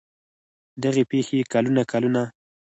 دغې پېښې کلونه کلونه